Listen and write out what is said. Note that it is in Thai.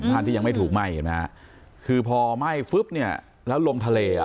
ท่านที่ยังไม่ถูกไหมคือพอไหม้แล้วลงทะเล